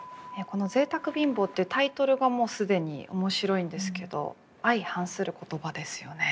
この「贅沢貧乏」ってタイトルがもう既に面白いんですけど相反する言葉ですよね。